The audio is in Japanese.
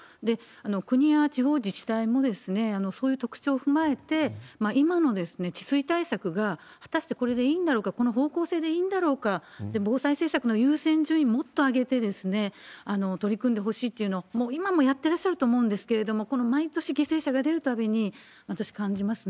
国や地方自治体も、そういう特徴を踏まえて、今の治水対策が果たしてこれでいいんだろうか、この方向性でいいんだろうか、防災政策の優先順位、もっと上げて取り組んでほしいっていうのを、もう今もやってらっしゃると思うんですけれども、この毎年、犠牲者が出るたびに、私、感じますね。